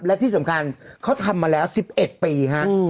และที่สำคัญเขาทำมาแล้ว๑๑ปีฮะ